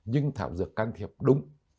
nhưng thảm dược can thiệp đúng